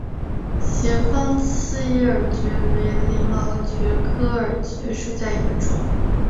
斜方刺叶耳蕨为鳞毛蕨科耳蕨属下的一个种。